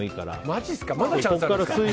マジっすか？